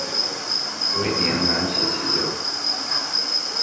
威廉难辞其咎。